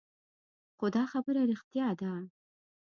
خو دا خبره رښتيا ده.